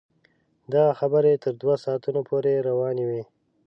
دغه خبرې تر دوه ساعتونو پورې روانې وې.